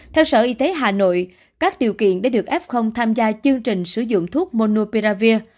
theo sở y tế hà nội các điều kiện để được f tham gia chương trình sử dụng thuốc monoperavir